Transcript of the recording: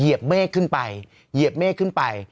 เมฆขึ้นไปเหยียบเมฆขึ้นไป